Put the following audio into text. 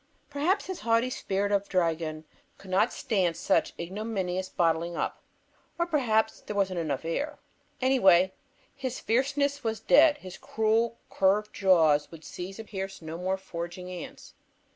Perhaps his haughty spirit of dragon could not stand such ignominious bottling up, or perhaps there wasn't enough air. Anyway, His Fierceness was dead. His cruel curved jaws would seize and pierce no more foraging ants.